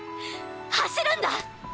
走るんだ！！